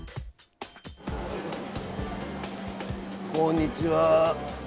こんにちは。